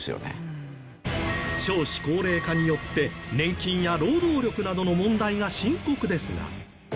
少子高齢化によって年金や労働力などの問題が深刻ですが。